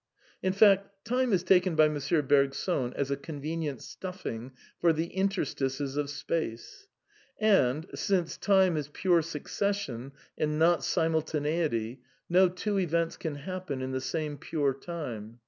v^ In fact, time is taken by M. Bergson as a convenient ^stuffing for the interstices of space. And, since Time is pure succession and not simulta neity, no two events can happen in the same pure Time.